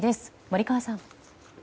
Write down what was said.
森川さん。